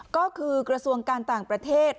ก็คือกระทรวงการต่างประเทศ